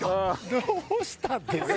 どうしたんですか？